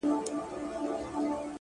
گوره په ما باندي ده څومره خپه،